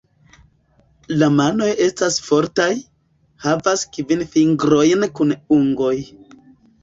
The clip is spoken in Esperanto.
La manoj estas fortaj, havas kvin fingrojn kun ungoj.